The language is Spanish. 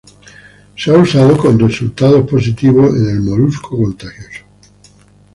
Se ha usado con resultados positivos en el molusco contagioso.